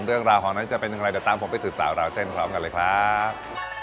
เรื่องราวหอน้อยจะเป็นอะไรเดี๋ยวตามผมไปสื่อสารราวเส้นกันเลยครับ